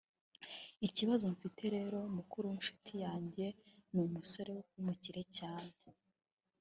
Ikibazo mfite rero mukuru w’inshuti yanjye ni umusore w’umukire cyane